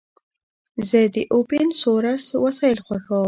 زه د اوپن سورس وسایل خوښوم.